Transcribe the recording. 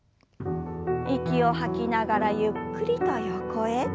息を吐きながらゆっくりと横へ。